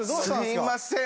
すいません。